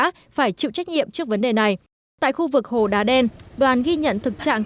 phải chịu trách nhiệm trước vấn đề này tại khu vực hồ đá đen đoàn ghi nhận thực trạng